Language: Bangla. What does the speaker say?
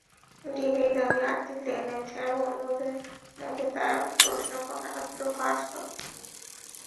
ডিবির দাবি, আর্থিক লেনদেন ছাড়া বন্ধুদের মধ্যে তাঁরা প্রশ্নপত্র ফাঁস করত।